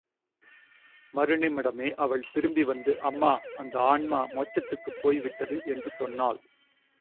மறுநிமிடமே, அவள் திரும்பிவந்து, அம்மா, அந்த ஆன்மா மோட்சத்துக்குப் போய்விட்டது என்று சொன்னாள்.